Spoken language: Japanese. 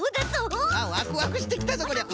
ワクワクしてきたぞこりゃ。